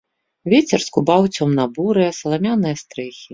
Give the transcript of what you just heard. Вецер скубаў цёмна-бурыя саламяныя стрэхі.